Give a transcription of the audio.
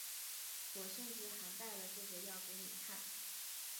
我甚至还带了这个要给你看